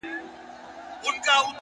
تجربه تر کتابونو ژوره ښوونه ده!